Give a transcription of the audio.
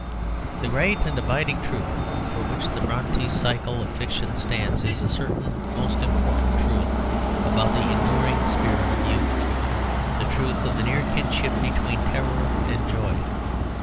The great and abiding truth for which the Brontë cycle of fiction stands is a certain most important truth about the enduring spirit of youth, the truth of the near kinship between terror and joy.